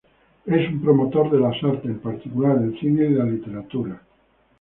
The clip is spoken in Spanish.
Es un promotor de las artes, en particular el cine y la literatura.